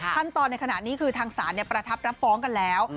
ขั้นตอนในขณะนี้คือทางศาลประทับรับฟ้องกันแล้ว